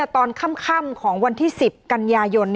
ตอนค่ำของวันที่๑๐กันยายน